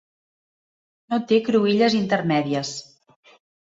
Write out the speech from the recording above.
No té cruïlles intermèdies.